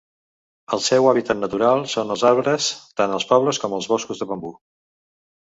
El seu hàbitat natural són els arbres, tant als pobles com als boscos de bambú.